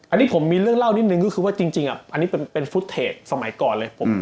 อันนี้ผมมีเรื่องเล่านิดนึงก็คือว่าจริงอันนี้เป็นฟุตเทจสมัยก่อนเลย